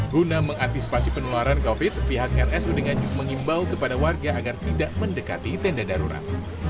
guna mengantisipasi penularan covid pihak rsud nganjuk mengimbau kepada warga agar tidak mendekati tenda darurat